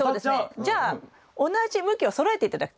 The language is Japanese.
じゃあ同じ向きをそろえて頂く。